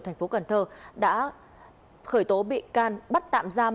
tp cần thơ đã khởi tố bị can bắt tạm giam